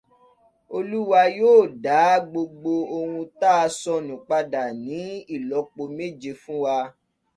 Olúwa yóò dá gbogbo ohun ta sọnù padà ní ilọ́po méje fún wa.